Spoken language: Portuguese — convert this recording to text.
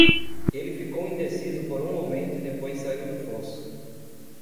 Ele ficou indeciso por um momento e depois saiu do fosso.